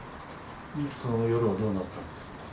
その夜はどうなったんですか？